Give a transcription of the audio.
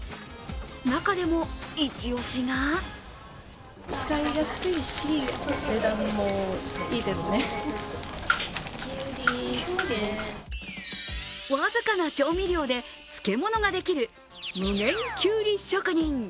中でもイチオシが僅かな調味料で漬物ができる無限きゅうり職人。